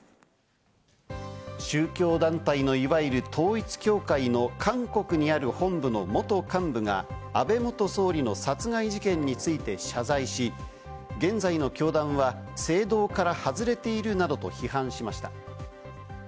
宗教団体のいわゆる統一教会の韓国にある本部の元幹部が安倍元総理の殺害事件について謝罪し、現在の教団は正道から外れているなどと批判しました。